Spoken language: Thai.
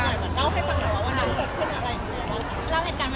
เล่าให้ฟังหน่อยว่าวันนี้มันเกิดขึ้นอะไร